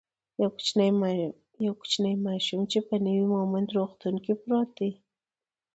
یو کوچنی ماشوم چی په نوی مهمند روغتون کی پروت دی